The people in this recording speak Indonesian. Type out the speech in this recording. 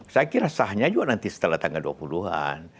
saya kira sahnya juga nanti setelah tanggal dua puluh an